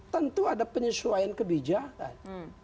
tentu ada penyesuaian kebijakan